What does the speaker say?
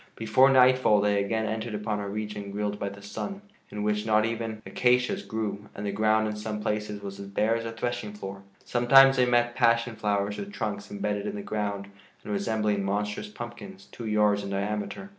Before nightfall they again entered upon a region grilled by the sun, in which not even acacias grew, and the ground in some places was as bare as a threshing floor. Sometimes they met passion flowers with trunks imbedded in the ground and resembling monstrous pumpkins two yards in diameter.